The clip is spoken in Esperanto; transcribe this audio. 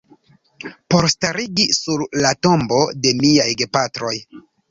Por starigi sur la tombo de miaj gepatroj.